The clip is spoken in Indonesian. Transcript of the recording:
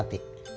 nggak ada be